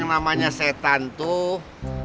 yang namanya setan tuh